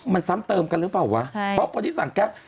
มันซ้ำเติมกันหรือเปล่าวะใช่เพราะคนที่สั่งแก๊ป